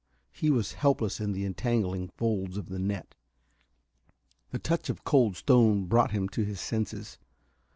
He was helpless in the entangling folds of the net. The touch of cold stone brought him to his senses.